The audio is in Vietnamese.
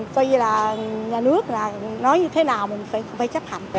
tuy là nhà nước nói như thế nào mình cũng phải chấp hành